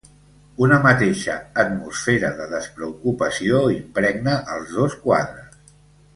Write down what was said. Una mateixa atmosfera de despreocupació impregna els dos quadres.